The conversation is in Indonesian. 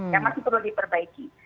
yang masih perlu diperbaiki